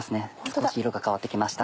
少し色が変わって来ました。